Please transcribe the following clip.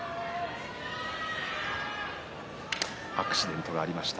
アクシデントがありました。